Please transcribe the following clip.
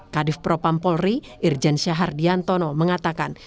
kadif propam polri irjen syahardiantono mengatakan